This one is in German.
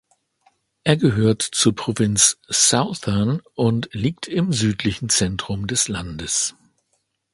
Er gehört zur Provinz Southern und liegt im südlichen Zentrum des Landes.